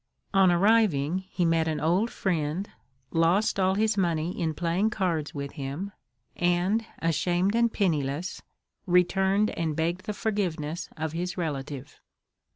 On arriving, he met an old friend, lost all his money in playing cards with him, and, ashamed and penniless, returned and begged the forgiveness of his relative.